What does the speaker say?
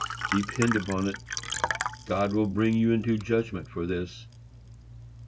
Depend upon it, God will bring you into judgment for this.